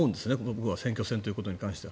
僕は選挙戦ということに関しては。